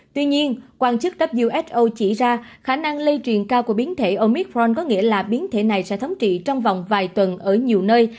tuy nhiên quan chức upso chỉ ra khả năng lây truyền cao của biến thể omitron có nghĩa là biến thể này sẽ thống trị trong vòng vài tuần ở nhiều nơi